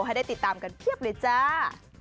ให้ได้ติดตามกันเพียบเลยจ้า